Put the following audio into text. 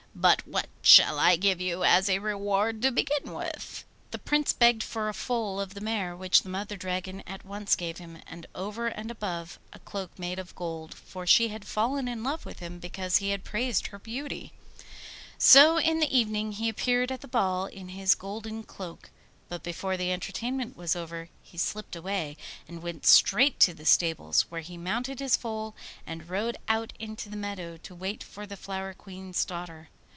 But what shall I give you as a reward to begin with?' The Prince begged for a foal of the mare, which the Mother Dragon at once gave him, and over and above, a cloak made of gold, for she had fallen in love with him because he had praised her beauty. So in the evening he appeared at the ball in his golden cloak; but before the entertainment was over he slipped away, and went straight to the stables, where he mounted his foal and rode out into the meadow to wait for the Flower Queen's daughter.